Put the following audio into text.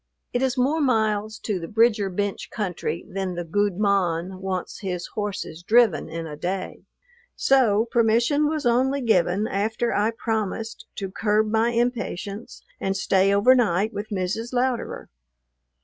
It is more miles to the Bridger Bench country than the "gude mon" wants his horses driven in a day; so permission was only given after I promised to curb my impatience and stay overnight with Mrs. Louderer.